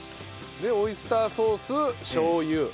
でオイスターソースしょう油。